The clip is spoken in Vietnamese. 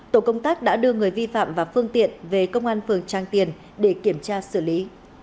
tổ công tác đã đưa người vi phạm và phương tiện về công an phường trang tiền để kiểm tra xử lý